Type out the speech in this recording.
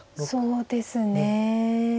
そうですね。